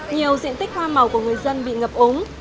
nhiều diện tích hoa màu của người dân bị ngập úng